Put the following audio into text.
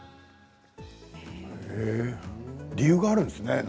理由があるんですね。